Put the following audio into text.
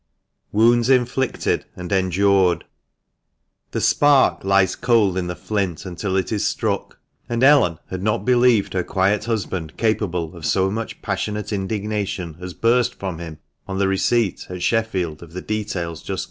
WOUNDS INFLICTED AND ENDURED. OH E spark lies cold in the flint until it is struck ; and Ellen had not believed her quiet husband capable of so much passionate indignation as burst from him on the receipt (at Sheffield) of the details just given.